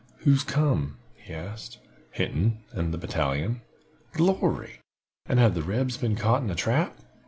"Who's come?" he asked. "Hinton and the battalion." "Glory! And have the rebs been caught in a trap?"